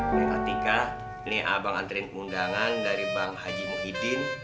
nek latika ini abang anterin kemundangan dari bang haji muhyiddin